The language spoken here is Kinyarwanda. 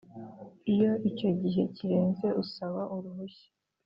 iyo icyo gihe kirenze usaba uruhushya